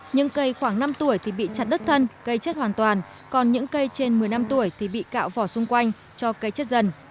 những cây khoảng năm tuổi thì bị chặt đứt thân gây chết hoàn toàn còn những cây trên một mươi năm tuổi thì bị cạo vỏ xung quanh cho cây chết dần